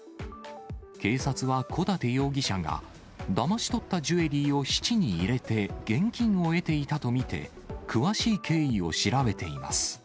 警察は小館容疑者が、だまし取ったジュエリーを質に入れて、現金を得ていたと見て詳しい経緯を調べています。